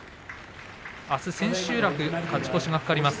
あす千秋楽勝ち越しが懸かります。